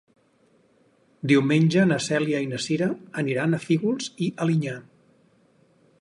Diumenge na Cèlia i na Cira aniran a Fígols i Alinyà.